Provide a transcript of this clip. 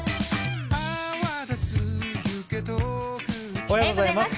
おはようございます。